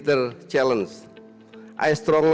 perusahaan yang berharga dan berharga